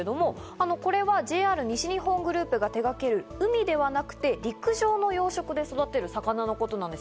これはＪＲ西日本グループが手がける、海ではなくて陸上の養殖で育てる魚のことです。